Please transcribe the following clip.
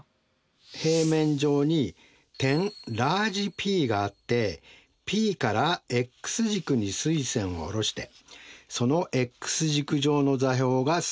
平面上に点ラージＰがあってＰからｘ軸に垂線を下ろしてそのｘ軸上の座標がスモールａだったとします。